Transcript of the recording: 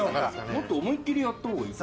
もっと思いっきりやった方がいいと。